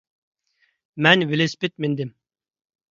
مەن ۋېلىسىپىت مىندىم.